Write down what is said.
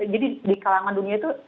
jadi di kalangan dunia itu menjelaskan